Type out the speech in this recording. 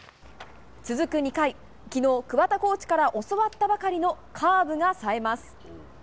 続く２回、昨日桑田コーチから教わったばかりのカーブがさえます。